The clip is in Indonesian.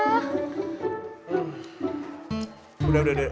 hmm udah udah deh